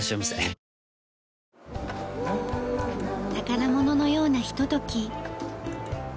宝物のようなひととき。